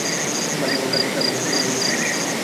মা যখন কাজ করত তখন আমি ড্রেসিং রুমে লুকিয়ে থাকতাম।